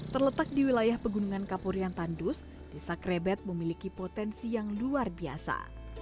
terletak di wilayah pegunungan kapurian tandus desa krebet memiliki potensi yang luar biasa